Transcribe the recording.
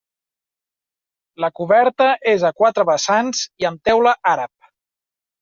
La coberta és a quatre vessants i amb teula àrab.